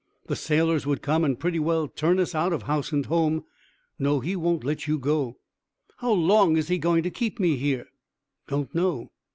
The sailors would come and pretty well turn us out of house and home. No; he won't let you go." "How long is he going to keep me here?" "Don't know.